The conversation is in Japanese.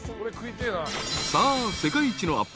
［さあ世界一の